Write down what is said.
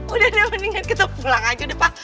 udah deh mendingan kita pulang aja deh pa